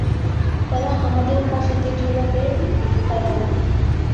তারা আমাদের ফাঁসিতে ঝুলাবে, সারাহ।